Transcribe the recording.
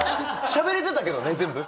しゃべれてたけどね全部。